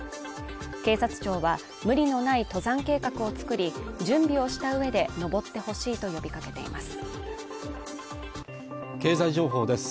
警察庁は無理のない登山計画を作り、準備をした上で登ってほしいと呼びかけています。